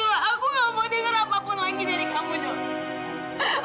aku gak mau denger apapun lagi dari kamu dong